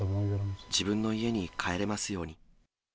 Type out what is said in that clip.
自分に家に帰れますように。